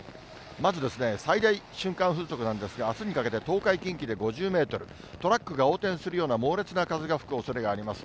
まずですね、最大瞬間風速なんですが、あすにかけて東海、近畿で５０メートル、トラックが横転するような猛烈な風が吹くおそれがあります。